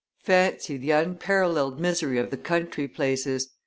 "Fancy the unparalleled misery of the country places!